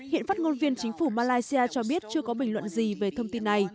hiện phát ngôn viên chính phủ malaysia cho biết chưa có bình luận gì về thông tin này